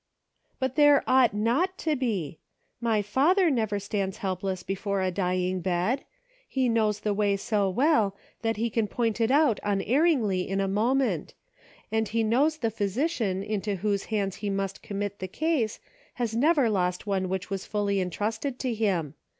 " But there ought not to be ! My father never stands helpless before a dying bed ; he knows the way so well, that he can point it out unerringly in a moment ; and he knows the Physician into whose hands he must commit the case, has never lost one which was fully entrusted to him.